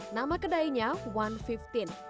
nama kedainya one fifteen